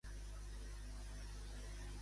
En quina sèrie espanyola va participar?